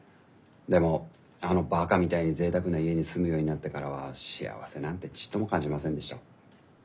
でもあのバカみたいにぜいたくな家に住むようになってからは幸せなんてちっとも感じませんでした。